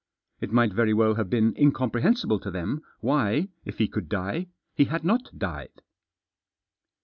It might very well have been incomprehensible to them why, if he could die, he hadn't died.